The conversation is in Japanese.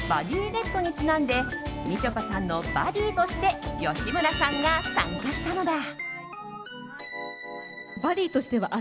ネットにちなんでみちょぱさんのバディとして吉村さんが参加したのだ。